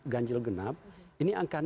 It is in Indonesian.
ganjil genap ini akan